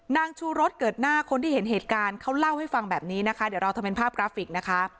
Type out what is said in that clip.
นางชูรสเกิดหน้าคนที่เห็นเหตุการณ์เขาเล่าให้ฟังแบบนี้นะคะเดี๋ยวเราทำเป็นภาพกราฟิกนะคะ